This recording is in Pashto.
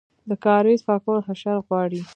د کاریز پاکول حشر غواړي؟